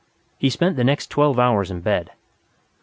He spent the next twelve hours in bed.